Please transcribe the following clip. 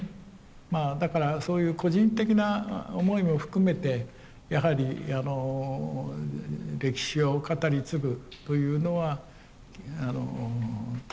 まあだからそういう個人的な思いも含めてやはり歴史を語り継ぐというのは闘い。